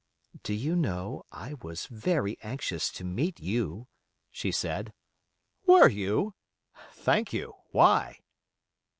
"Do you know I was very anxious to meet you," she said. "Were you? Thank you. Why?"